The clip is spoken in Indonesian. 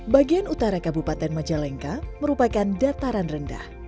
bagian utara kabupaten majalengka merupakan dataran rendah